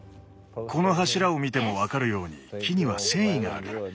この柱を見てもわかるように木には繊維がある。